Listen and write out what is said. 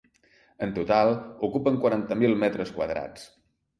En total, ocupen quaranta mil metres quadrats.